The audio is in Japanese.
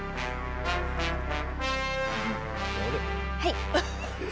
はい。